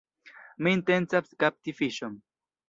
Mi intencas kapti fiŝon.